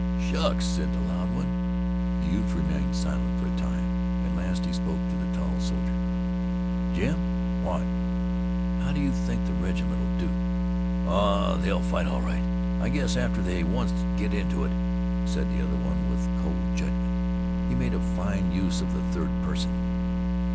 "Shucks!" said the loud one. The youth remained silent for a time. At last he spoke to the tall soldier. "Jim!" "What?" "How do you think the reg'ment 'll do?" "Oh, they'll fight all right, I guess, after they once get into it," said the other with cold judgment. He made a fine use of the third person.